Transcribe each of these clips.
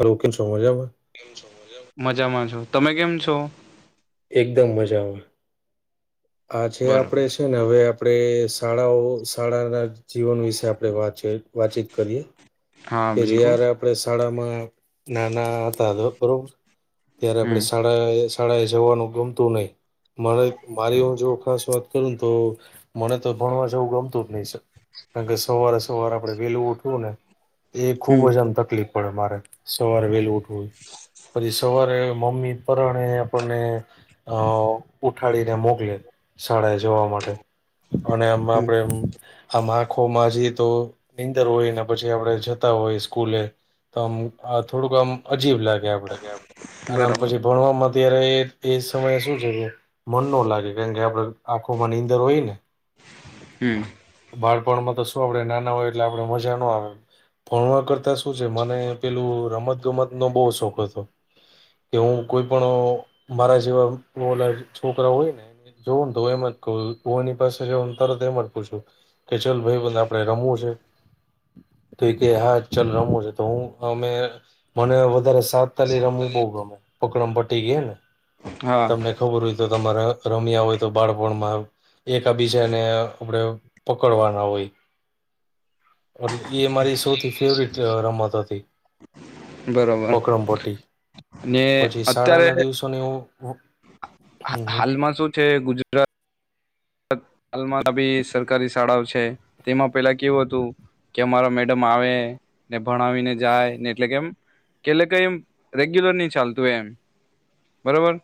Hello કેમ છો મજામાં. મજામાં છું તમે કેમ છો? એકદમ મજામાં. આજે બરોબર આપડે છે ને હવે આપણે શાળાઓ શાળાના જીવન વિશે આપણે વાત કરીએ. વાતચીત કરીએ હા કે બિલકુલ જ્યારે આપણે શાળામાં ના ના હતા તો બરોબર ત્યારે આપડે હમ શા. અ એ શાળા એ જવાનું ગમતું નહી મારી મારી હ જો ખાસ વાત. કરુ તો મને તો ભણવા જવું ગમતું જ નહી સ. કા કે સવારે સવારે આપડે વહેલું ઉઠવું ને. એ ખુબ હમ જ આમ તકલીફ પડે મારે સવારે વહેલુ. પછી સવારે મમ્મી પરણે આપણને અ ત્યાં મોકલે શાળા એ જવા માટે અને એમ હમ આપડે આ આંખોમાં જી તો નીંદર હોય ને પછી આપણે જતા હોય સ્કૂલે આમ આ થોડુંક આમ. અજીબ લાગે આપડે અને આમ બરાબર પછી ભણવાવામાં અત્યારે એ સમયે શું છે. મન નો લાગે કારણ કે આપડે આખો નીંદર હોય ને. હું. બાળપણમાં તો શું આપડે નાના હોય એટલે આપડે મજા નો આવે. ભણવા કરતા શું છે મને પેલું રમત ગમત નો બહુ શોખ હતો. કે હું કોઈ પણ મારા જેવા ઓલા છોકરા હોય ને. જો તો એમ જ કહ્યું ઓની પાસે જ‌ઉ તરત એમજ પૂછું. કે ચાલ ભાઈબધ આપણે રમવું છે. તો કે હા ચાલ રમો છે તો હું અમે મને વધારે સાથ તલી રમવું બહુ ગમે પકડમ પટી કે ને હા તમને. ખબર હોય તો તમારા રમ્યા હોય તો બાળપણમાં એકા બીજા ને આપડે. પકડવાના હોય એટલે એ મારી સૌથી ફેવરિટ અ રમત હતી બરોબર પકડમ પટ્ટી. ને પછી શાળા ના દિવસોની હું. હમ હા હમ હાલમાં શું છે ગુજ. હાલમાં બી સરકારી શાળાઓ છે તેમાં પેલા કેવું હતું કે અમારા મેડમ આવે ને ભણાવીને જાય ને એટલે કેમ કેલે કયમ રેગ્યુલર નહી ચાલતું એમ. બરોબર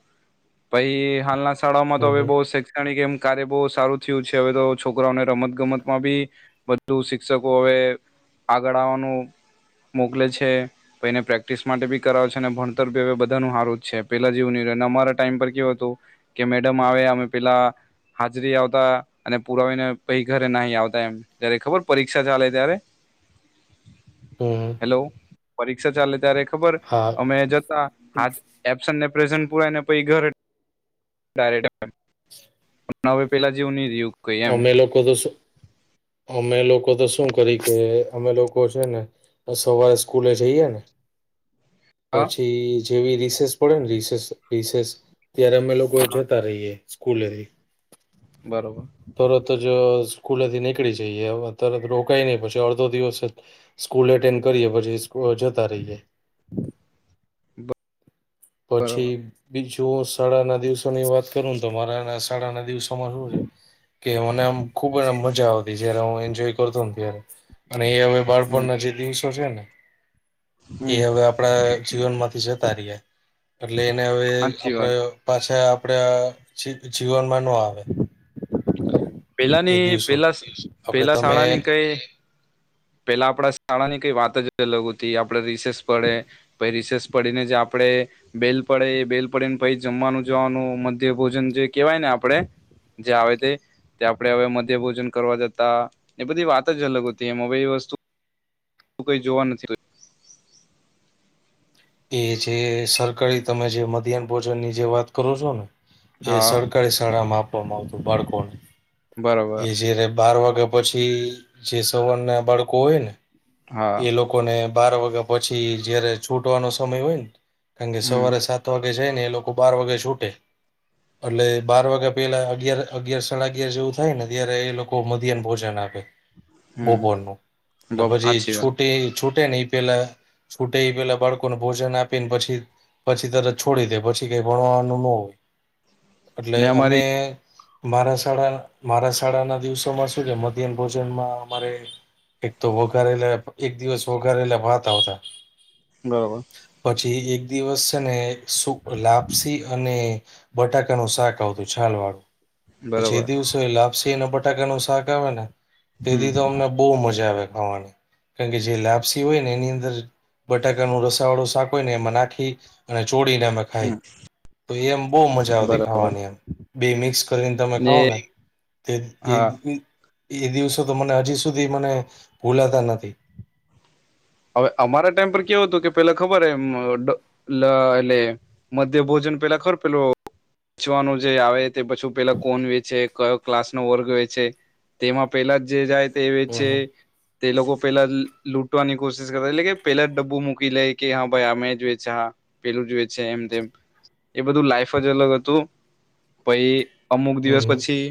પછી હાલના શાળાઓમાં તો હમ હવે હમ બહુ શૈક્ષણિક એમ કાર્ય બહુ સારું થયું છે. હવે તો છોકરાઓને રમત ગમતમાં બી બધુ શિક્ષકો હવે આગળ આવવાનું મોકલે છે. પને પ્રેક્ટિસ માટે બી કરાવ છે અને ભણતર બી હવે બધાનું હારું જ છે. પેલા જેવું ન અમારા ટાઈમ પર કેવું હતું. કે મેડમ આવે અમે પેલા હાજરી આવતા અને પુરાવીને પહી ઘરે નાહી આવતા એમ. જયારે ખબર પરીક્ષા ચાલે ત્યારે હમ. લો, પરીક્ષા ચાલે ત્યારે ખબર હા અમે જતા, હાજ એબસને પ્રેસેનટ પુરાવી ને પહી ઘરે ડાયરેકટ. [unintelligible] હવે પેલા જેવું નહી રહયું. અમે લોકો તો શું અમે લોકો તો શું કરી કે અમે લોકો છે ને સવારે સ્કૂલે જઈએ ને હા પછી જેવી રિસેસ પડે ને રિસેસ રિસેસ ત્યારે અમે લોકો હા તા રહીએ સ્કૂલે. બરોબર. તરત જ સ્કૂલેથી નીકળી જઈએ, તરત રોકાઈ નહી પછી અડધો દિવસ સ્કૂલ એટેન્ડ કરીએ પછી સક જતા રહીએ. પછી બરોબર બીજોશ સાડા ના દિવસો ની વાત કરુંને, તો મારા સાડાના દિવસોમાં રોજ કે મને આમ ખુબ આમ મજા આવતી, જયારે હું એન્જોય કરતો ત્યારે, અને એ હમે હમ બાળપણના જે દિવસ સો છે ને, એ હમ હવે આપણા જીવન માંથી જતા રહ્યા. એટલે એને હવે સાચી વાત આપડ પાછા આપડા ચીડ જીવનમાં ન આવે. એ પેલાની દિવસો પેલા, આપણે પેલા તમે શાળાની કઈ પેલા આપણા શાળા ની કઈ વાત જ અલગ હતી, આપડે રિસેસ પડે. પહિ રિસેસ પડીને જ આપડે બેલ પડે, એ બેલ પડેને પછી જમવાનું જવાનું, મધ્ય ભોજન જે કેવાય ને આપડે જે આવે તે તે આપડણે હવે મધ્ય ભોજન કરવા જતા, એ બધી વાત જ અલગ હતી એમ, હવે એ વસ્તુ તું કઈ જોવા નથી એ જે સરકારી તમે જે મધ્યાહન ભોજનની જે વાત કરો છો ને, એ હા સર કઈ શાળામાં આપવામાં આવતું બાળકોને. બરોબર એ જેરે બાર વાગે પછી જે સવર ના બાળકો હોય ને, હા એ લોક કોને બાર વાગ્યા પછી જયારે છૂટવાનો સમય હોય ને, કારણ કે હમ સવારે સાત વાગ પે જઈ ને એ લોકો બાર વાગે છૂટે એટલે બાર વાગ્યા પેલા અગયાર અગયાર સાડા અગિયાર જેવું થાય ને ત્યારે એ લોક ઓ મધ્યન ભોજન આપે, હમ બપોરનું, એટલે બબ- પછી સાચી વાત છુટી છૂટે ને એ પેલા, છૂટે પેલા બાળકો કો ને ભોજન આપીન પછી, પછી તરત છોડી દે પછી કઈ ભણવાનું ન હોય. એટલે ને અમારી અમે મારા શાળા, મારા શાળાના દિવસોમાં શું છે મધ્યહન ભોજનમાં અમારે એક તો વઘારેલા, એક દિવસ વઘારેલા ભાત આવતા. બરાબર. પછી એક દિવસ છે ને શુક લાપસી અને બટાકાનું શાક આવતું છાલ વાળું, પછી બરોબર એ દિવસ તોએ લાપસી અને બટાકાનું શાક આવેને, તે હમ દિવસે અમને બહુ મજા આવે ખાવાની. કારણ કે જે લાપસી હોયને, એની અંદર બટાકાનું રસ સા વાળો શાક હોયને, એમાં નાખી અને છોડીને અમે હમ ખાય, તો એમ બહુ મજા આવતી બરાબર ખાવાની એમ, બે મિક્સ કરીને તમે ને ખાવોને. તે એ હા એ દિવસો તો મને હજી સુધી મને ભૂલાતા નથી. અવે અમારા ટાઈમ પર કેવું હતું કે પેલા ખબર એમ ડ લ એલે મધ્યભોજન પેલા ખર પેલો ચવાનું જે આવે, તે પછું પેલા કોન વેચે, કયો ક્લાસ નો વર્ગ વેચે. તેમાં પેલા જે જાય તે હમ વેચે, હમ તે લોકો પેલા લુ લૂંટવાની કોશિશ કરે, એટલે કે પેલા જ ડબ્બુ મૂકી લેય કે, હા, ભાઈ, આ મેજ વેચા પેલુંજ વેચે એમ તેમ, એ બધું લાઈફ જ અલગ હતું, પહી અમુક દિવસ હમ હમ પછી,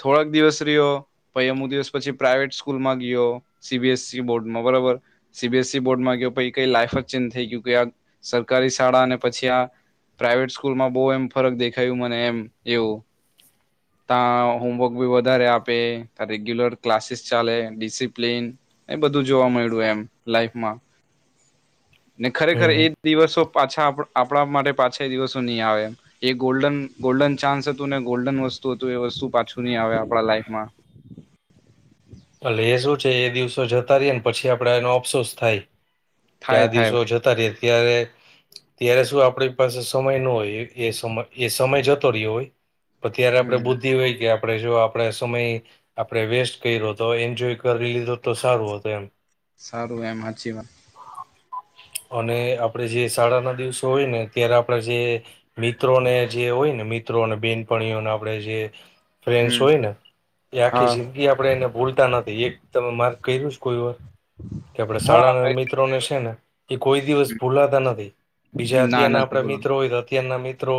થોડાક દિવસ રીયો. પહી અમુ દિવસ પછી પ્રાાઈવેટ સ્કૂલમાં ગીયો, સી બી એસ સી બોર્ડમાં. બરોબર, સી બી એ સી બોર્ડમાં ગીયો પહી કઈ લાઈફ જ ચેન્જ થેય ગીયુ, કઇ આ સરકારી શાળા અને પછી આ પ્રાાઈવેટ સ્કૂલમાં બઉ એમ ફરક દેખાયું મને એમ એવું. [inaudible] તા હોમવર્ક બી વધારે આપે, તા રેગ્યુલર ક્લાસીસ ચાલે, ડિસિપ્લિન એ બધું જોવા મયળુ એમ લાઈફમાં, ને ખરેખર હમ એ દિવસો પાછા આપ આપણા માટે પાછા દિવસો નઈ આવે એ ગોલ્ડન ગોલ્ડન ચાન્સ હતું ને ગોલ્ડન વસ્તુ હતું, એ વસ્તુ પાછું ની આવે આપણા લાઈફમાં એટલે એ શું છે, એ દિવસો જતા રીયાને પછી, આપડે એનો અફસોસ થાય કે, આ થાય થાય દિવસો તા રીયા ત્યારે ત્યારે શું આપણી પાસે સમય ન હોય એ સમ એ સમય જતો રીયો હોય. તો ત્યારે આપડે હમ બુદ્ધિ હોય કે આપડે જો આપડે સમય આપડે વેસ્ટ કયરો તો એન્જોય કરી લીધો તો સારું હોત એમ સારું, એમ હાચી વાત અને આપડે જે શાળાના દિવસો હોય ને, ત્યારે આપડ જે મિત્રોને જે હોય ને, મિત્રોને બેનપણીઓને આપણે જે ફ્રેન્ડસ હમ હોયને એ આખી હા જિંદગી આપણેે એને ભૂલતા નથી, એક તમે માર્ક કર્યું કોઈ વાર કે આપણે શાળાના હા મિત્રોને છે ને એ કોઈ દિવસ ભૂલાતા નથી. બીજા ના અત્યારના નથી આપડા બોલવાનું મિત્રો હોય તો, અત્યારના મિત્રો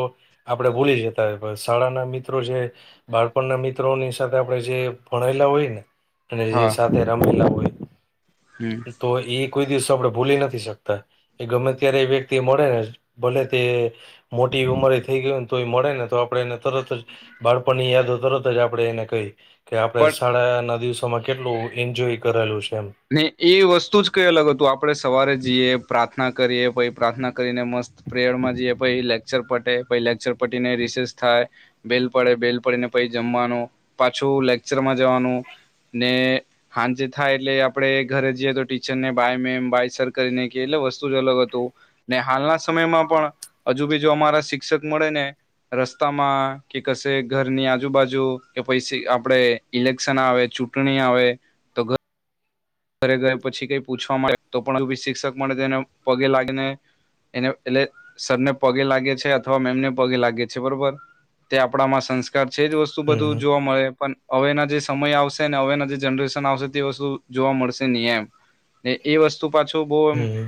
આપડે ભુલી જતા હોય પ શાળાના મિત્રો છે. બાળપણના મિત્રોની સાથે આપડે જે ભણાયલા હોય ને અને જે હા સાથે રમેલા ઓય. હમ, તો એ કોઈ દિવસ આપણે ભૂલી નથી શકતા. એ ગમે ત્યારે એ વ્યક્તિ મળે ને ભલે તે મોટી ઉંમરેય થેઈ ગય ને, તોય મળે ને તો આપડે એને તરત જ બાળપણ ની યાદો તરત જ આપણે એને કઈ કે, આપણે પણ શાળાના દિવસોમાં કેટલું ઈન્જોય કરેલું છે એમ. ને એ વસ્તુ જ કઈ અલગ હતું, આપણે સવારે જીએ, પ્રાર્થના કરીએ, પછી પ્રાર્થના કરીને મસ્ત પ્રેયરમાં જીએ પહી લેક્ચર પતે પહી લેક્ચર પતીને રિશેસ થાય. બેલ પડે બેલ પડીને પછ જમવાનું પાછું લેકચરમાં જવાનું ને હાંજ થાય એટલે આપણે ઘરે જઈએ તો ટીચર ને બાય મેમ બાય સર કરીને કે એટલે વસ્તુ જ અલગ હતું ને હાલના સમયમાં પણ અજુ બી જો અમારા શિક્ષક મળે ને રસ્તામાં કે કશે ઘરની આજુબાજુ કે પૈસી આપડે ઇલેક્શન આવે, ચૂંટણી આવે, તો ઘ ઘરે ગય પછી કઈ પૂછવામાં આવે તો પણ શિક્ષક મળે તેને પગે લાગીને એને એટલે સરને પગે લાગે છે, અથવા મેમને પગે લાગે છે, બરોબર, તે આપણામાં સંસ્કાર છે, જોસ શું બધું હમ જોવા મળે પણ, અવેના જે સમય આવશે ને અવેના જે જનરેશન આવશે તેઓ શુ જોવા મળશે ની એમ ને એ વસ્તુ પાછું બો એમ હમ હમ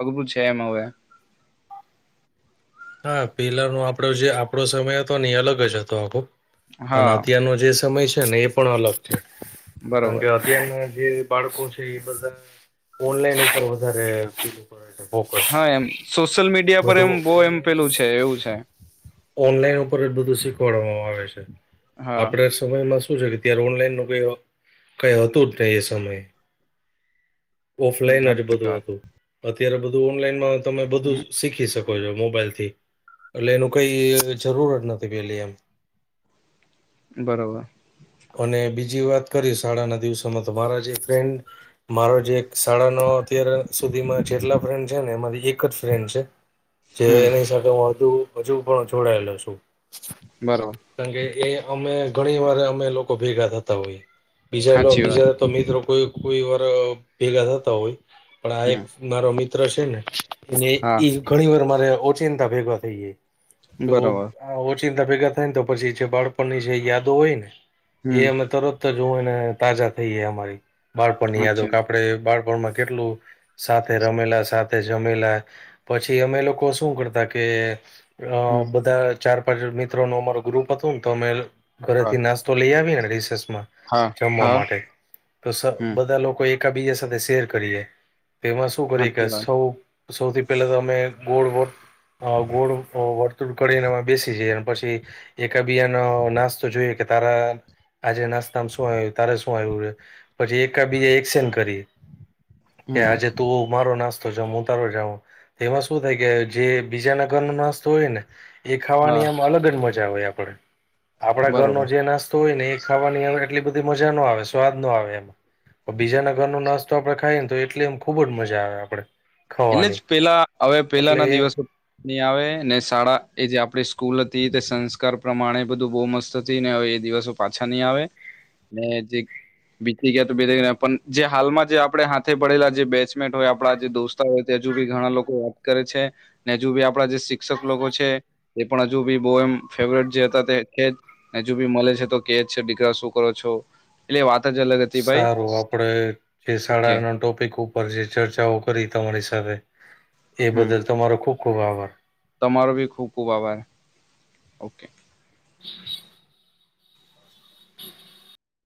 અઘરું છે, એમ હવે હા, પેલાનો આપડો જે આપડો સમય હતો ને એ અલગ જ હતો, આખો અને હા અત્યારનો જે સમય છે ને, એ પણ અલગ છે કારણ બરોબર કે અત ત્યારના જે બાળકો છે, એ બધા ઓનલાઈન ઉપર વધારે ફોકસ હા એમ સોશિયલ મીડિયા પર એમ બધું બહુ એમ ઓનલાઇન પેલું છે એવું છે ઓનલાઈન ઉપર જ બધું શીખવાડવામાં આવે છે હા આપડ સમયમાં શું છે કે ત્યારે ઓનલાઈન ન ક કઈ હતું જ ને એ સમય ઓફલાઈન જ સાચી બધું વાત હતું અત્યારે બધું ઓનલાઈનમાં તમે બધું શીખી શકો મોબાઈલ થી એટલે એનું કઈ જરૂર જ નથી પેલી એમ બરોબર અને બીજી વાત કરી શાળાના દિવસોમાં તો મારા જે ફ્રેન્ડ મારો જે સાડા નવ અત્યાર સુધીમાં જેટલા ફ્રેન્ડ છે ને એમાંથી એક જ ફ્રેન્ડ છે જે હમ એની સાથે હું હજુ હજુ પણ જોડાયેલો છું બરોબર કારણ કે, એ અમે ઘણી વાર, અમે લોકો ભેગા થતા હોઈએ. બીજા લો, સાચી વાત બીજા તો મિત્રો કોઈ કોઈ વાર ભેગા થતા હોય, પણ આ એક હમ પા મારો મિત્ર છે ને, અને હા ઈ ઘણીવાર અમારે ઓચીંતા ભેગા થઈ જાય. તો બરોબર ઓ ચિંતા ભેગા થાય ને તો પછી જે બાળપણની જે યાદો હોય ને એ હમ અમે તરત જ હોય ને, તાજા થઈએ, અમારી બાળપણની યાદો, અચ્છા કાપ આપડે બાળપણમાં કેટલું સાથે રમેલા, સાથે જમેલા! પછી, અમે લોકો સુ કરતા કે અ હમ બધા ચાર પાંચ મિત્રોનું અમારૂ ગ્રુપ હતું ને, તો અમે હા ઘરેથી નાસ્ લઈ આવીને રીસેસમાં, હા જમવા હા માટે, તો સ હમ બધા લોકો એ કાબીજા સાથે સેર કરીએ. તો એમાં સુ કરીએ સાચી કે, વાત સૌ સૌથી પહેલા તો અમે ગોળ વો અ ગોળ, અ વર્તુળ કડીને અમે બેસી જઈ ને પછી એકાબીયાનો નાસ્તો જોઇએ કે તારા આજે નાસ્તામ સુ આવ્યું? તારે સુ આવ્યું એ? પછી એકા બીજા એકસેન કરીએ. કે હમ આજે તું અ મારો નાસ્તો તારો જઉં એમાં શું થાય કે જે બીજા નગર ન નાસ્તો હોય ને. એ હા ખાવાની આમ અલગ જ મજા હોય આપણેે, આપડા ઘરનો બરોબર જે નાસ્ સ્તો હોય ને એ ખાવાની હવે એટલી બધી મજા નો આવે, સ્વાદ નો આવે, એમાં પણ બીજાના ઘરનો નાસ્તો આપડે ખાઈએ ન, તો એટલી એમ ખુબ જ મજા આવે, આપડે એટલે જ ખાવાની પેલા, હવે એટલે પેલાના દિવસો ની આવે ને સા, એ જે આપડી સ્કૂલ હતી, તે સંસ્કાર પ્રમાણે બધું બહુ મસ્ત નથી ને હવે એ દિવસો પાછા નહીં આવે જે ને જી બીતી ગયા તો બીટી ગયા પન, જે હાલમાં જે, આપણે હાથે પડેલા, જે બેચમેટ હોય, આપણા જે દોસ્ત [unintelligible] હોય ત હજુ બી ઘણા લોકો યાદ કરે છે, ને હજુ બી આપણા જે સિક્ષક લોકો છે, એ પણ હજુ બી બહુ એમ ફેવરેટ જે હતા તે છે જ હજુ બી મલે છે, તો કેજ છે, દીકરા સુ કરો છો? એલે એ વાત જ અલગ હત સારું આપડે એ ઓકે સાળાનો ટોપિક ઉપર પર જે ચર્ચાઓ કરી તમારી સાથે, એ હમ બદલ તમારો ખુબ ખુબ આભાર. તમારો બી ખૂબ ખૂબ આભાર, ઓકે. [inaudible] [inaudible]